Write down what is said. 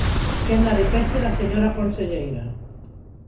Quenda de peche da señora conselleira.